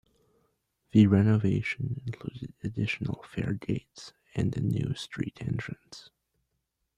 The renovation included additional faregates and a new street entrance.